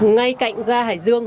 ngay cạnh ga hải dương